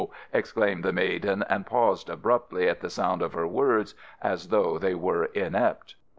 exclaimed the maiden, and paused abruptly at the sound of her words, as though they were inept.